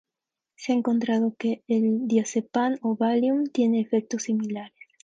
Se ha encontrado que el Diazepam o Valium tiene efectos similares.